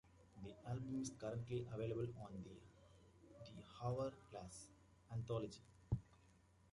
The album is currently available on the "The Hour Glass" anthology.